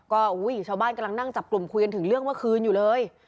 ก็อุ้ยชาวบ้านกำลังนั่งจับกลุ่มคุยกันถึงเรื่องเมื่อคืนอยู่เลย